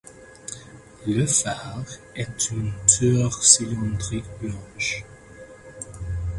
Le phare est une tour cylindrique blanche.